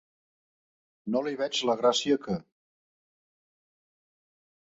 No li veig la gràcia que.